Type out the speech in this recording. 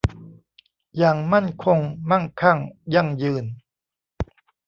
อย่างมั่นคง มั่งคั่ง ยั่งยืน